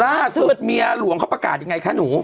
ล่าเสือดเมียหลวงเขาประกาศยังไงคะหนู